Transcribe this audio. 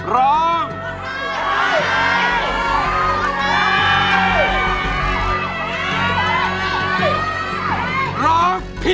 ร้องให้ร้องให้